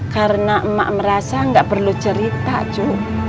karena emak merasa nggak perlu cerita cu